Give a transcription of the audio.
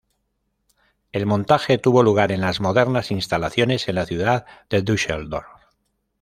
El montaje tuvo lugar en las modernas instalaciones en la ciudad de Düsseldorf.